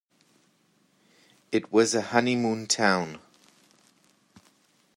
It was a honeymoon town.